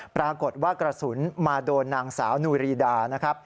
ปรากฏว่ากระสุนมาโดนนางสาวนูรีดานะครับ